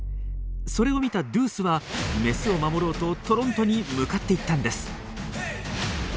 それを見たドゥースはメスを守ろうとトロントに向かっていったんです。